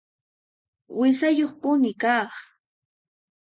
Wasiyuqpuni kaq